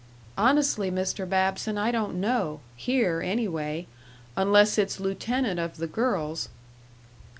"Honestly, Mr. Babson, I don't know. Here, anyway. Unless it's lieutenant of the girls."